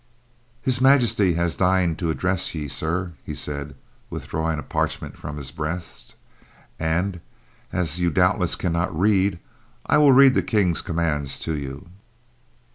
"His Majesty has deigned to address you, sirrah," he said, withdrawing a parchment from his breast. "And, as you doubtless cannot read, I will read the King's commands to you."